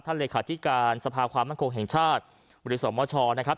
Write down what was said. ท่านเหลขาธิการสภาความมหังโครงแห่งชาติบริสมชนะครับ